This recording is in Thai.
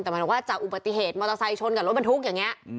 แต่แม้ว่าจะอุปติเหตุมอเตอร์ไซ่ชนกับรถบรรทุกอย่างเนี้ย